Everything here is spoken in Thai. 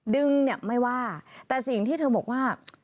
ดึงเนี่ยไม่ว่าแต่สิ่งที่เธอบอกว่า